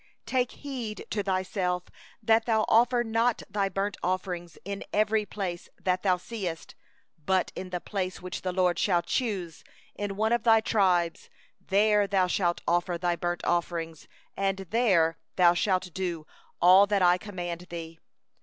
13Take heed to thyself that thou offer not thy burnt offerings in every place that thou seest; 14but in the place which the LORD shall choose in one of thy tribes, there thou shalt offer thy burnt offerings, and there thou shalt do all that I command thee.